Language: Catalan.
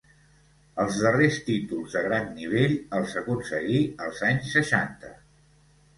Els darrers títols de gran nivell els aconseguí als anys seixanta.